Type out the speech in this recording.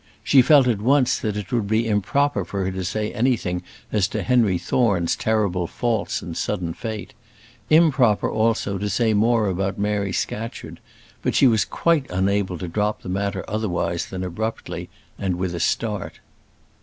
She felt at once that it would be improper for to say anything as to Henry Thorne's terrible faults and sudden fate; improper also, to say more about Mary Scatcherd; but she was quite unable to drop the matter otherwise than abruptly, and with a start.